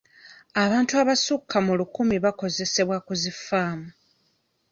Abantu abasukka mu lukumi bakozesebwa ku zi ffaamu.